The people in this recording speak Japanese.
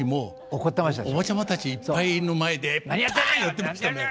おばちゃまたちいっぱいいる前でパンやってましたね。